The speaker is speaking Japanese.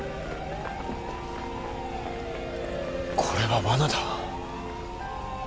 これはわなだ。